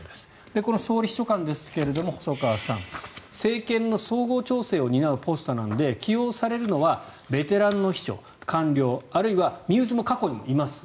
この総理秘書官ですが細川さん政権の総合調整を担うポストなので起用されるのはベテランの秘書、官僚あるいは身内も過去にもいます。